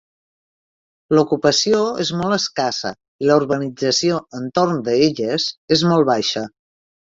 L'ocupació és molt escassa i la urbanització entorn d'elles és molt baixa.